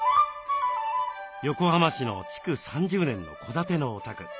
横浜市の築３０年の戸建てのお宅。